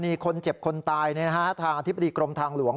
มีคนเจ็บคนตายทางอธิบดีกรมทางหลวง